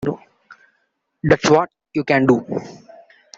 That's what you can do.